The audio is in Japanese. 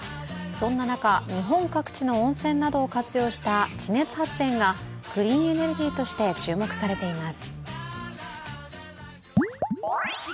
そんな中、日本各地の温泉などを活用した地熱発電がクリーンエネルギーとして注目されています。